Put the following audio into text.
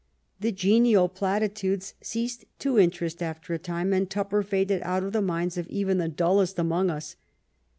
The genial platitudes ceased to interest after a time, and Tupper faded out of the minds of even the dullest among us.